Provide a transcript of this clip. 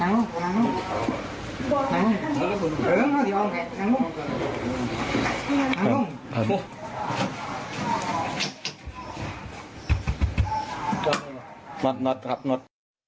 น้องน้อง